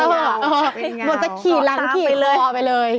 เหมือนจะขี่หลังขี่เลยคอไปเลย